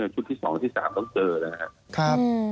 ชุดที่๒และที่๓ต้องเจอเลยฮะ